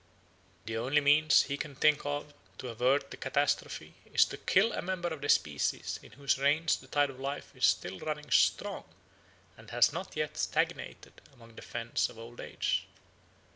The only means he can think of to avert the catastrophe is to kill a member of the species in whose veins the tide of life is still running strong and has not yet stagnated among the fens of old age.